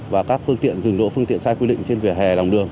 và các phương tiện rừng đỗ phương tiện sai quy định trên vỉa hè lòng đường